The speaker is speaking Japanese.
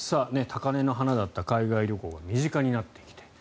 高根の花だった海外旅行が身近になってきている。